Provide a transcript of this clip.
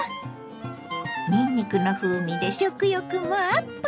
にんにくの風味で食欲もアップ！